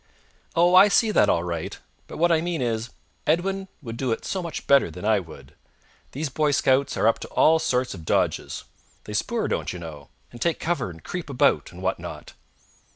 "Oh, I see that all right, but what I mean is, Edwin would do it so much better than I would. These Boy Scouts are up to all sorts of dodges. They spoor, don't you know, and take cover and creep about, and what not."